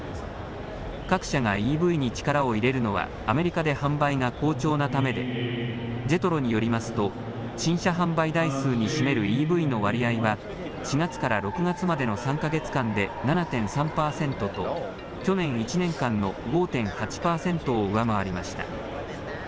各社がＥＶに力を入れるのはアメリカで販売が好調なためでＪＥＴＲＯによりますと新車販売台数に占めるＥＶの割合は４月から６月までの３か月間で７．３パーセントと去年１年間の５．８パーセントを上回りました。